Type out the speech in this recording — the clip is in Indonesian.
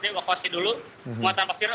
di evakuasi dulu muatan pasir